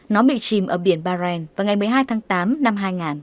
nó bị chìm ở biển bérenz vào ngày một mươi hai tháng tám năm hai nghìn